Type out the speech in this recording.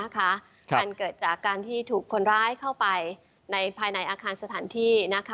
การเกิดจากการที่ถูกคนร้ายเข้าไปภายในอาคารสถานที่